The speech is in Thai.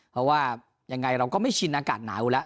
เพราะว่ายังไงเราก็ไม่ชินอากาศหนาวแล้ว